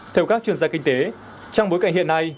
theo các chuyên gia kinh tế trong bối cảnh hiện nay